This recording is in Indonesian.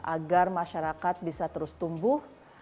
agar masyarakat bisa terus tumbuh